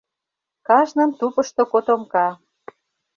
Кажнын тупышто котомка.